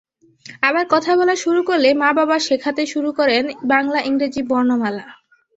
আবার কথা বলা শুরু করলেই মা-বাবা শেখাতে শুরু করেন বাংলা-ইংরেজি বর্ণমালা।